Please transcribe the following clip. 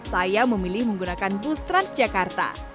saya memilih menggunakan bus transjakarta